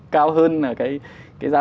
cao hơn là cái giá